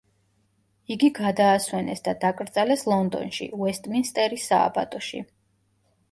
იგი გადაასვენეს და დაკრძალეს ლონდონში, უესტმინსტერის სააბატოში.